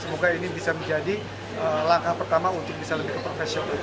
semoga ini bisa menjadi langkah pertama untuk bisa lebih ke profesional